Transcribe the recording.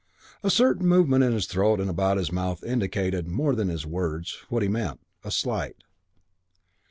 A certain movement in his throat and about his mouth indicated, more than his words, what he meant. A slight.